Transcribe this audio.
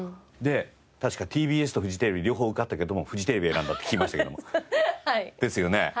で確かＴＢＳとフジテレビ両方受かったけれどもフジテレビを選んだって聞きましたけれども。ですよね？